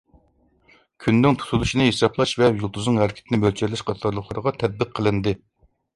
كۈننىڭ تۇتۇلۇشىنى ھېسابلاش ۋە يۇلتۇزنىڭ ھەرىكىتىنى مۆلچەرلەش قاتارلىقلارغا تەتبىق قىلىندى.